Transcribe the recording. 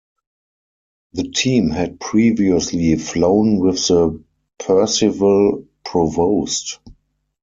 The team had previously flown with the Percival Provost.